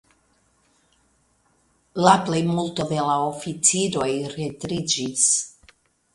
La plejmulto de la oficiroj retriĝis.